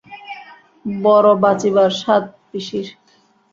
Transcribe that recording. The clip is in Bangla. বড় বাচিবার সাধ পিসির।